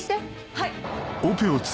はい！